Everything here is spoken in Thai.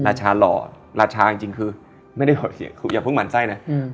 ราชาหล่อราชาจริงจริงคือไม่ได้โดดเสียงอย่าเพิ่งหมั่นไส้น่ะอืม